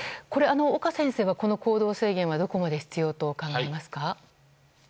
岡先生はこの行動制限はどこまで必要と考えますか？